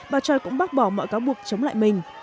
bà choi cũng bác bỏ mọi cáo buộc chống lại mình